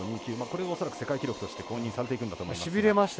これが恐らく世界記録として公認されていくんだと思います。